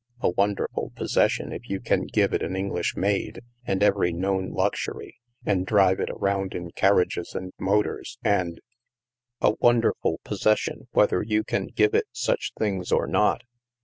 " A wonderful possession if you can give it an English maid, and every known luxury, and drive it around in carriages and motors, and —"" A wonderful possession whether you can give it such things or not.